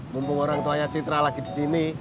mumpung orang tua yacitra lagi disini